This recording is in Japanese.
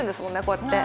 こうやって。